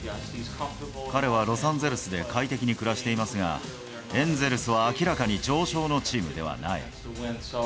彼はロサンゼルスで快適に暮らしていますが、エンゼルスは明らかに常勝のチームではない。